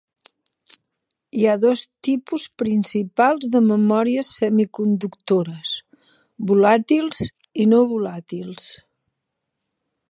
Hi ha dos tipus principals de memòries semiconductores: volàtils i no volàtils.